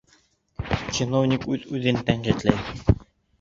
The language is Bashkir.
Чиновник үҙ-үҙен тәнҡитләй